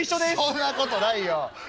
「そんなことないよ」。